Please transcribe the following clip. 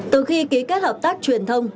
từ khi ký kết hợp tác truyền thông